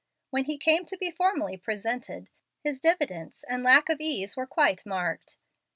When he came to be formally presented, his diffidence and lack of ease were quite marked.